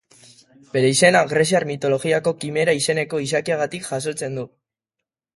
Bere izena greziar mitologiako Kimera izeneko izakiagatik jasotzen du.